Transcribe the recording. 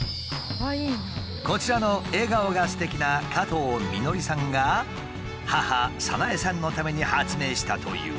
こちらの笑顔がすてきな加藤美典さんが母・早苗さんのために発明したという。